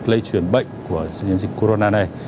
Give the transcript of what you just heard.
lây truyền bệnh của dịch corona này